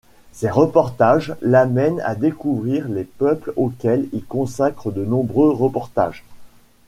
Ses reportages l'amène à découvrir les peuples auxquels il consacre de nombreux reportages.